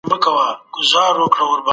خو ژر بېرته روغه کېږي.